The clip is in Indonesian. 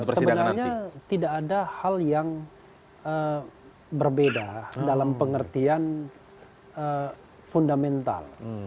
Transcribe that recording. sebenarnya tidak ada hal yang berbeda dalam pengertian fundamental